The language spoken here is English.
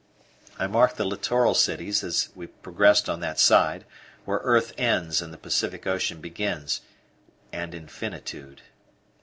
I marked the littoral cities as we progressed on that side, where earth ends and the Pacific Ocean begins, and infinitude.